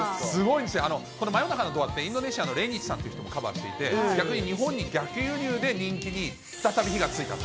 この真夜中のドアって、インドネシアのレイニッチさんっていう人もカバーしていて、逆に日本に逆輸入で、人気に再び火がついたと。